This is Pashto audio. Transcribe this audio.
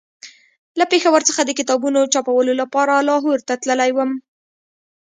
له پېښور څخه د کتابونو چاپولو لپاره لاهور ته تللی وم.